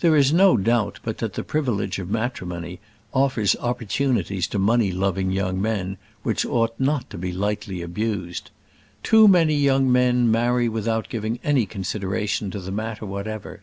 There is no doubt but that the privilege of matrimony offers opportunities to money loving young men which ought not to be lightly abused. Too many young men marry without giving any consideration to the matter whatever.